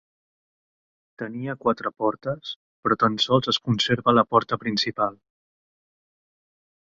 Tenia quatre portes, però tan sols es conserva la porta principal.